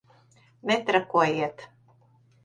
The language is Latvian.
Netrakojiet!